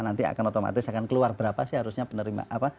nanti akan otomatis akan keluar berapa sih harusnya penerima apa